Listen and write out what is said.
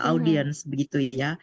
audience begitu ya